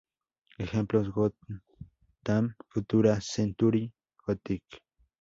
Ejemplos: Gotham, Futura, Century Gothic.